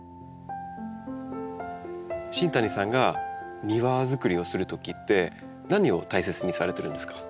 新谷さんが庭づくりをするときって何を大切にされてるんですか？